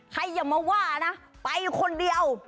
อย่ามาว่านะไปคนเดียว